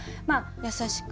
優しく。